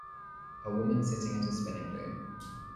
A woman sitting at a spinning loom.